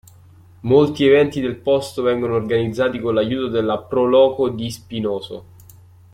Molti eventi del posto vengono organizzati con l'aiuto della Pro Loco di Spinoso.